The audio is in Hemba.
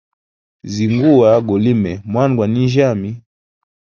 Zinguwa gulime mwna gwa ninjyami.